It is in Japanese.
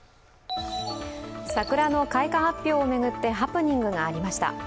桜の開花発表を巡ってハプニングがありました。